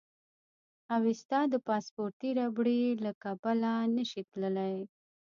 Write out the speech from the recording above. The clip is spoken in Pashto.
اوېستا د پاسپورتي ربړې له کبله نه شي تللی.